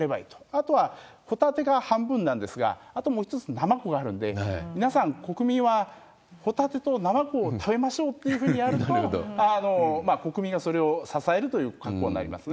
あとは、ホタテが半分なんですが、あともう一つナマコがありますんで皆さん、国民はホタテとナマコを食べましょうというふうにやると、国民がそれを支えるという格好になりますね。